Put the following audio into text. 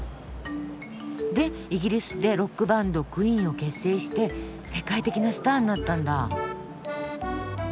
でイギリスでロックバンドクイーンを結成して世界的なスターになったんだ。